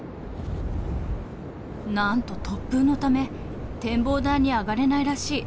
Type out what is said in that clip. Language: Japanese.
なんと突風のため展望台に上がれないらしい。